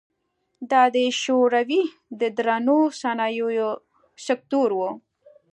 دا د شوروي د درنو صنایعو سکتور و.